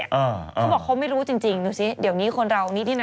เขาบอกเขาไม่รู้จริงดูสิเดี๋ยวนี้คนเรานี่นี่นะ